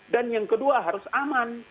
dan yang kedua harus aman